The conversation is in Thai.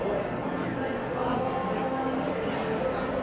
ขอบคุณทุกคนมากครับที่ทุกคนรัก